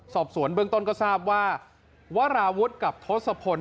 สอบสวนเบื้องต้นก็ทราบว่าวราวุฒิกับทศพล